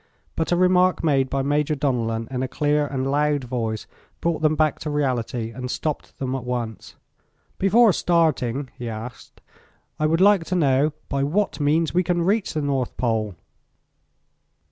But a remark made by Major Donellan in a clear and loud voice brought them back to reality and stopped them at once. "Before starting" he asked, "I would like to know by what means we can reach the North Pole?"